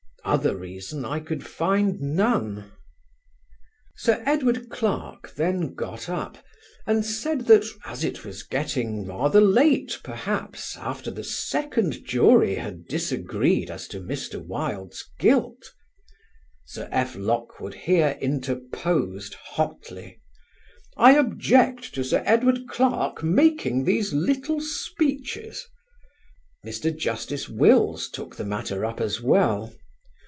Other reason I could find none. Sir Edward Clarke then got up and said that as it was getting rather late, perhaps after the second jury had disagreed as to Mr. Wilde's guilt Sir F. Lockwood here interposed hotly: "I object to Sir Edward Clarke making these little speeches." Mr. Justice Wills took the matter up as well.